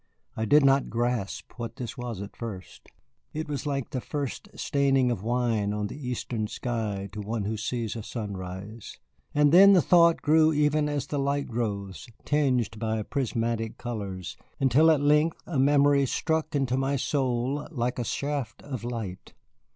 I did not grasp what this was at first, it was like the first staining of wine on the eastern sky to one who sees a sunrise. And then the thought grew even as the light grows, tinged by prismatic colors, until at length a memory struck into my soul like a shaft of light.